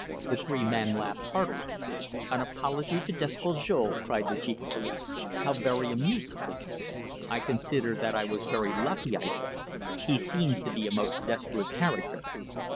The three men laughed heartily. "An apology to Despujol!" cried the Chief of Police. "How very amusing!" "I consider that I was very lucky," I said. "He seems to be a most desperate character."